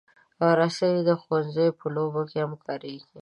رسۍ د ښوونځي په لوبو کې هم کارېږي.